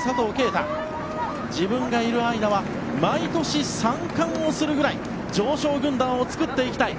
自分がいる間は毎年３冠をするくらい常勝軍団を作っていきたい。